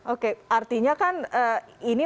oke artinya kan ini